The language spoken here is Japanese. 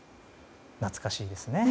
懐かしいですね。